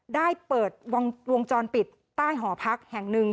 ได้เปิดวงจรปิดใต้หอพักแห่งหนึ่ง